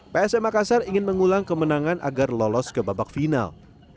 psm makassar ingin mengulang kemenangan agar lolos ke babak final